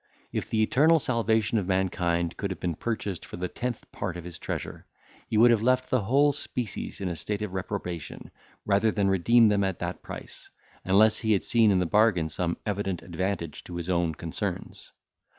If the eternal salvation of mankind could have been purchased for the tenth part of his treasure, he would have left the whole species in a state of reprobation, rather than redeem them at that price, unless he had seen in the bargain some evident advantage to his own concerns.